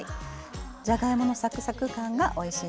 じゃがいものサクサク感がおいしいです。